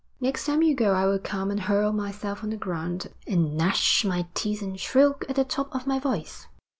"' 'Next time you go I will come and hurl myself on the ground, and gnash my teeth and shriek at the top of my voice.'